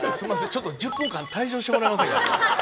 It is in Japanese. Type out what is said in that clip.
ちょっと１０分間退場してもらえませんか。